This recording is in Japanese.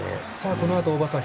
このあと、大場さん